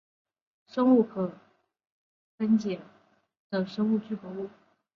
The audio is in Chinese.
生物可分解塑胶是在工业堆肥器中降解的生物聚合物。